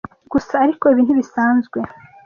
Gusa - ariko ibi ntibisanzwe--